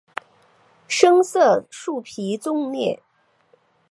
深色树皮纵裂。